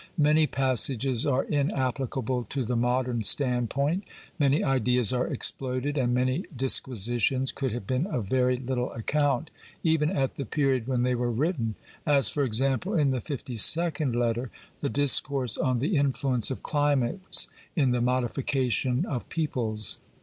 Many passages are inapplicable to the modern standpoint, many ideas are exploded, and many disquisitions could have been of very little account even at the period when they were written, as, for example, in the fifty second letter, the discourse on the influence of climates in the modification of peoples.